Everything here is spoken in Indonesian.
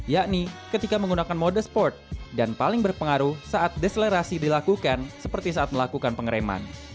yakni ketika menggunakan mode sport dan paling berpengaruh saat deselerasi dilakukan seperti saat melakukan pengereman